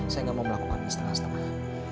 saya nggak mau melakukannya setengah setengah